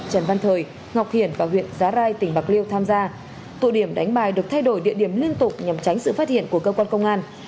trần văn thời ngọc hiển và huyện giá rai tỉnh bạc liêu tham gia tụ điểm đánh bài được thay đổi địa điểm liên tục nhằm tránh sự phát hiện của cơ quan công an